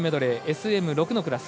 ＳＭ６のクラス。